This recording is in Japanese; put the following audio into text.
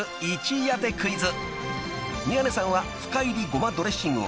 ［宮根さんは深煎りごまドレッシングを］